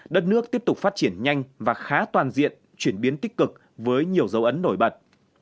đất nước tiếp tục phát triển nhanh và khá toàn diện chuyển biến tích cực với nhiều dấu ấn nổi bật